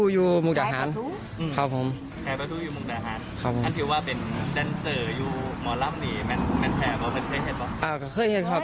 อยู่กระจำมงอย่างนั้นสิครับ